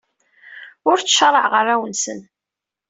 Ur ttcaṛaɛeɣ arraw-nwen.